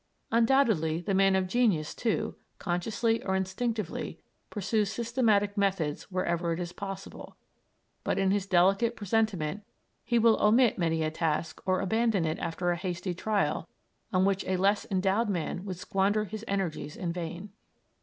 Undoubtedly, the man of genius, too, consciously or instinctively, pursues systematic methods wherever it is possible; but in his delicate presentiment he will omit many a task or abandon it after a hasty trial on which a less endowed man would squander his energies in vain.